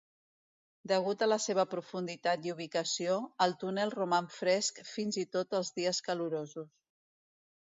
Degut a la seva profunditat i ubicació, el túnel roman fresc fins i tot els dies calorosos.